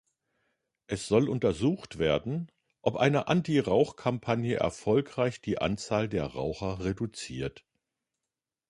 Es soll untersucht werden, ob eine Anti-Rauch-Kampagne erfolgreich die Anzahl der Raucher reduziert.